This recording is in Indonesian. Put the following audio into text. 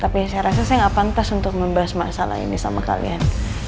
tapi saya rasa saya nggak pantas untuk membahas masalah ini sama kalian